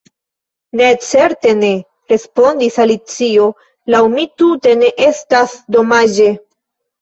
"Ne, certe ne!" respondis Alicio. "Laŭ mi tute ne estas domaĝe. »